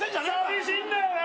寂しいんだよな？